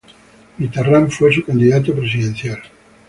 Mitterrand fue su candidato presidencial.